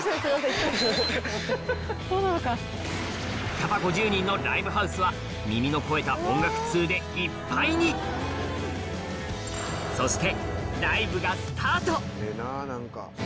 キャパ５０人のライブハウスは耳の肥えた音楽通でいっぱいにそして